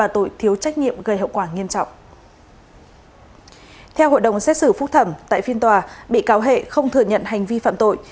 theo hội đồng xét xử phúc thẩm tại phiên tòa bị cáo hệ không thừa nhận hành vi phạm tội